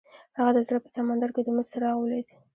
هغه د زړه په سمندر کې د امید څراغ ولید.